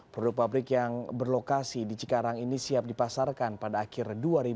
produk pabrik yang berlokasi di cikarang ini siap dipasarkan pada akhir dua ribu dua puluh